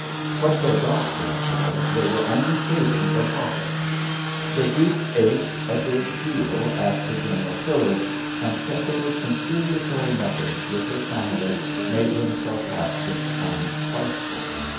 What they got, therefore, they were only saving from Poppas. The Greek ached a good deal at the general pillage, and Cressida's conciliatory methods with her family made him sarcastic and spiteful.